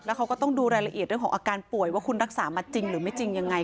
เขาก็ต้องดูรายละเอียดเรื่องของอาการป่วยว่าคุณรักษามาจริงหรือไม่จริงยังไง